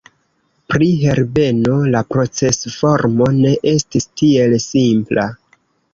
Pri Herbeno, la procesformo ne estis tiel simpla.